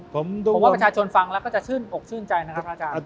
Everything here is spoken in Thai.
ผมว่าประชาชนฟังแล้วก็จะชื่นอกชื่นใจนะครับพระอาจารย์